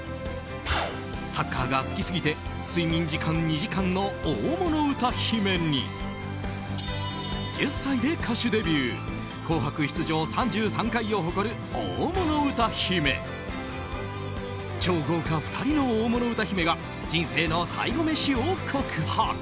サッカーが好きすぎて睡眠時間２時間の大物歌姫に１０歳で歌手デビュー「紅白」出場３３回を誇る大物歌姫超豪華、２人の大物歌姫が人生の最後メシを告白。